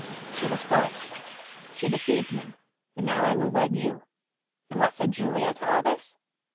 She was false; she deceived me, and now I will wed you." And what said Julia to all this?